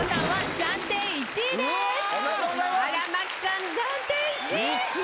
暫定１位！